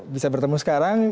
bisa bertemu sekarang